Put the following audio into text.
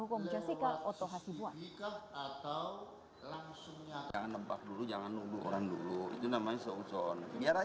kuasa hukum jessica otho hasibuan